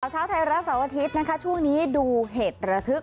เช้าไทยรัฐเสาร์อาทิตย์นะคะช่วงนี้ดูเหตุระทึก